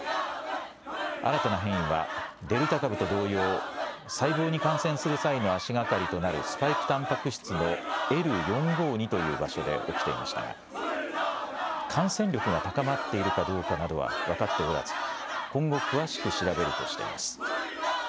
新たな変異はデルタ株と同様、細胞に感染する際の足がかりとなるスパイクたんぱく質のＬ４５２という場所で起きていましたが感染力が高まっているかどうかなどは分かっておらず今後詳しく調べるとしています。